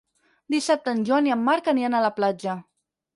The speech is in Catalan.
Dissabte en Joan i en Marc aniran a la platja.